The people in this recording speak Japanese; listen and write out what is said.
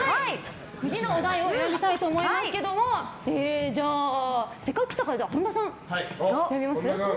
次のお題をやりたいと思いますけどもじゃあ、せっかく来たから本田さん読みます？